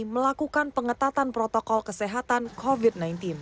melakukan pengetatan protokol kesehatan covid sembilan belas